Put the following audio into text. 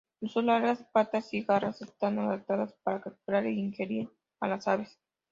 Sus largas patas y garras están adaptadas para capturar e ingerir a las aves.